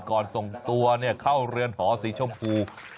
กรรท์ส่องตัวเนี่ยเข้าเรือนหอศรีชมพู